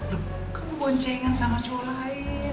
deket boncengan sama cowok lain